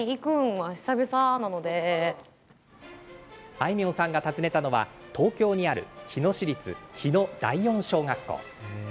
あいみょんさんが訪ねたのは東京にある日野市立日野第四小学校。